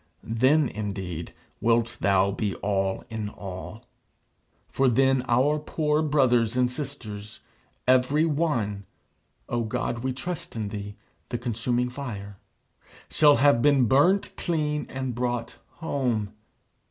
Then indeed wilt thou be all in all. For then our poor brothers and sisters, every one O God, we trust in thee, the Consuming Fire shall have been burnt clean and brought home.